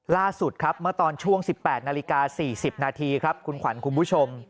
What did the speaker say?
ล่าสุดครับเมื่อตอนช่วง๑๘นาฬิกา๔๐นาทีครับคุณขวัญคุณผู้ชม